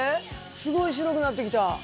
すごい白くなってきた。